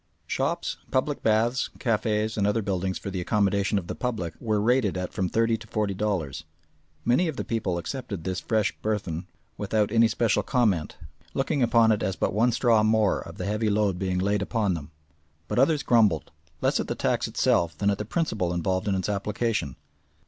Shops, public baths, cafés, and other buildings for the accommodation of the public were rated at from thirty to forty dollars. Many of the people accepted this fresh burthen without any special comment, looking upon it as but one straw more of the heavy load being laid upon them; but others grumbled, less at the tax itself than at the principle involved in its application.